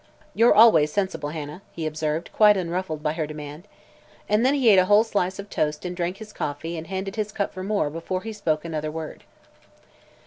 "You're always sensible, Hannah," he observed, quite unruffled by her demand. And then he ate a whole slice of toast and drank his coffee and handed his cup for more before he spoke another word.